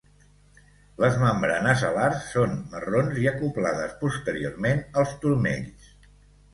Les membranes alars són marrons i acoblades posteriorment als turmells.